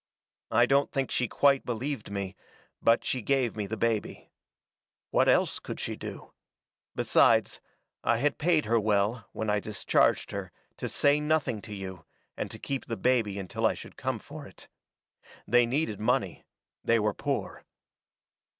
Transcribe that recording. I don't think she quite believed me, but she gave me the baby. What else could she do? Besides, I had paid her well, when I discharged her, to say nothing to you, and to keep the baby until I should come for it. They needed money; they were poor.